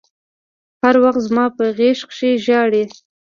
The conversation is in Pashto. هر وخت زما په غېږ کښې ژاړي.